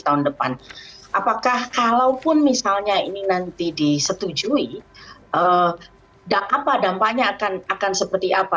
tahun depan apakah kalaupun misalnya ini nanti disetujui apa dampaknya akan seperti apa